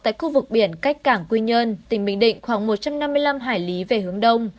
tại khu vực biển cách cảng quy nhơn tỉnh bình định khoảng một trăm năm mươi năm hải lý về hướng đông